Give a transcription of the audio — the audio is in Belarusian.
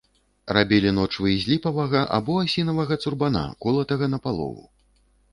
Рабілі ночвы з ліпавага або асінавага цурбана, колатага напалову.